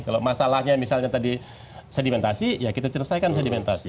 kalau masalahnya misalnya tadi sedimentasi ya kita selesaikan sedimentasi